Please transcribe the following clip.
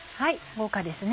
豪華ですね。